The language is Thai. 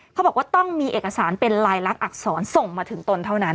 เขาบอกว่าต้องมีเอกสารเป็นลายลักษณอักษรส่งมาถึงตนเท่านั้น